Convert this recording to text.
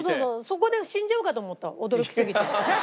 そこで死んじゃうかと思った驚きすぎて。